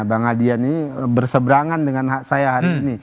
bang adian ini berseberangan dengan hak saya hari ini